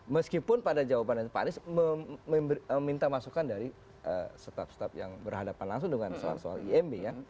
meskipun pada jawaban pak anies meminta masukan dari staf staf yang berhadapan langsung dengan soal imb